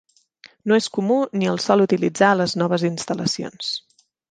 No és comú ni el sol utilitzar a les noves instal·lacions.